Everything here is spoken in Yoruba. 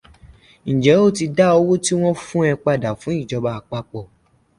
Ǹjẹ́ o ti dá owó tí wọ́n fún ẹ padà fún ìjóba àpapọ̀